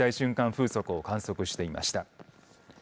風速を観測していました。